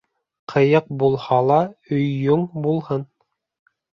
Ҡыйыҡ булһа ла өйөң булһын.